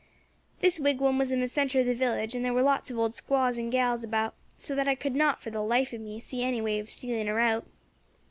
"This wigwam was in the centre of the village, and there were lots of old squaws and gals about, so that I could not, for the life of me, see any way of stealing her out.